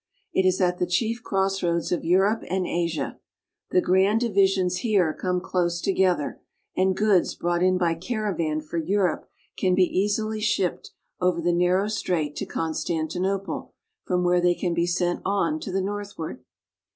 It is at the chief crossroads of Europe and Asia. The grand divisions here come close together, and goods brought in by caravan for Europe can be easily shipped over the narrow strait to Constantinople, from where they can be sent on to the northward.